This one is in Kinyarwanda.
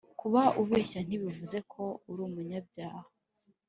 Kuba ubeshya ntibivuze ko uri umunyabyaha